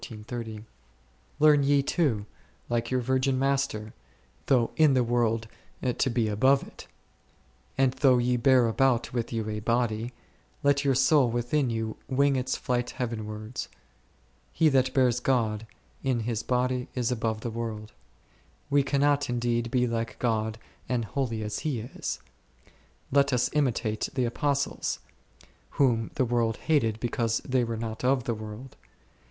Learn ye too, like your virgin Master, though in the world to be above it ; and though ye bear about with you a body, let your so ill within you wing its flight heavenwards. He that bears God in his body is above the world. We cannot indeed be like God and holy as He is ; let us imitate the Apostles, whom the world hated because they were not of the world.